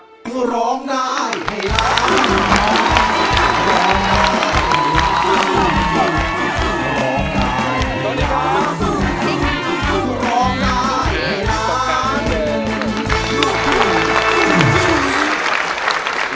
ร้องร้ายร้องร้ายร้องร้ายร้องร้ายร้องร้าย